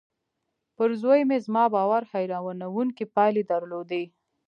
پر زوی مې زما باور حيرانوونکې پايلې درلودې.